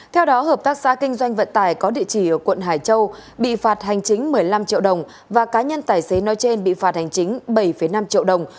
theo đó hợp tác xã kinh doanh vận tải có địa chỉ ở quận hải châu bị phạt hành chính một mươi năm triệu đồng và cá nhân tài xế nói trên bị phạt hành chính bảy năm triệu đồng